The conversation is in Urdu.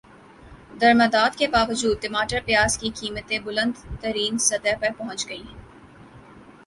درمدات کے باوجود ٹماٹر پیاز کی قیمتیں بلند ترین سطح پر پہنچ گئیں